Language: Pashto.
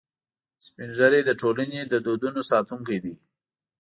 سپین ږیری د ټولنې د دودونو ساتونکي دي